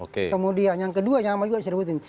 kemudian yang kedua yang lama juga tidak disebutin